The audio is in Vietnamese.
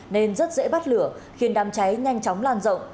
nên rất dễ bắt lửa khiến đám cháy nhanh chóng lan rộng